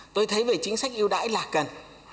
tôi thấy về chính sách yêu đái là cần